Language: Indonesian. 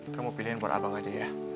kamu pilihin buat abang aja ya